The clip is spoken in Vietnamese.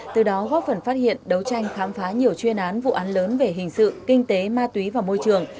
từ đó góp phần phát hiện đấu tranh khám phá nhiều chuyên án vụ án lớn về hình sự kinh tế ma túy và môi trường